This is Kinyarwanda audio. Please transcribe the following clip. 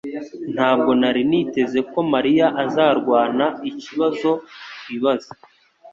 Ntabwo nari niteze ko mariya azarwana ikibazo twibaza